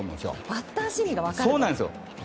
バッター心理が分かるんですね。